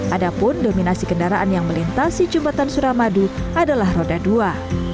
adapun dominasi kendaraan yang melintasi jembatan suramadu adalah roda dua